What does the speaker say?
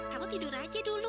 kamu tidur aja dulu